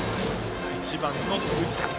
１番の藤田。